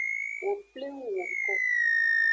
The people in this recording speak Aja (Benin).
Wo pleng woko.